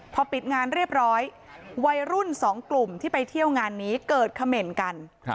พอปิดงานเรียบร้อยวัยรุ่นสองกลุ่มที่ไปเที่ยวงานนี้เกิดเขม่นกัน